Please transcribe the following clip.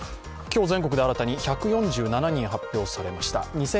今日全国で新たに１４７人発表されました。